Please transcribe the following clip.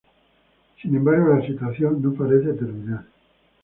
Sin embargo la situación no parece terminar.